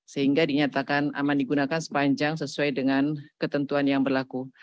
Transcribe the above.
sehingga dinyatakan aman digunakan sepanjang sesuai dengan ketentuan yang berlaku